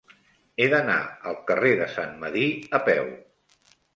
He d'anar al carrer de Sant Medir a peu.